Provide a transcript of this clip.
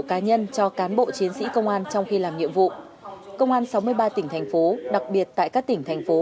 cá nhân cho cán bộ chiến sĩ công an trong khi làm nhiệm vụ công an sáu mươi ba tỉnh thành phố đặc biệt tại các tỉnh thành phố